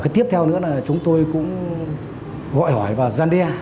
và tiếp theo chúng tôi gọi hỏi vào giăn đe